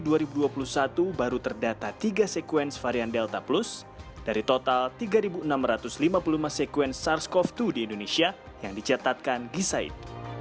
pada tahun dua ribu dua puluh satu baru terdata tiga sekuens varian delta plus dari total tiga enam ratus lima puluh lima sekuen sars cov dua di indonesia yang dicatatkan gisaid